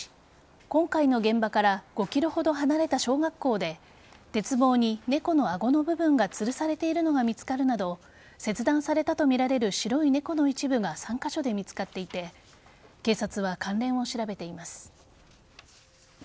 今回の現場から５ｋｍほど離れた小学校で鉄棒に猫の顎の部分がつるされているのが見つかるなど切断されたとみられる白い猫の一部が３カ所で見つかっていて警察は関連を調べています。